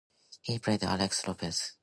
He played Alex Lopez.